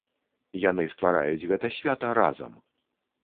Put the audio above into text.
Яны ствараюць гэта свята разам.